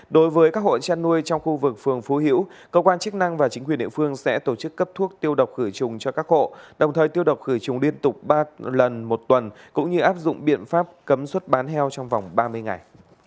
đối với các hộ chăn nuôi trong khu vực phường phú hữu cơ quan chức năng và chính quyền địa phương sẽ tổ chức cấp thuốc tiêu độc khử trùng cho các hộ đồng thời tiêu độc khử trùng liên tục ba lần một tuần cũng như áp dụng biện pháp cấm xuất bán heo trong vòng ba mươi ngày